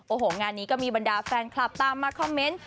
โอ้โหงานนี้ก็มีบรรดาแฟนคลับตามมาคอมเมนต์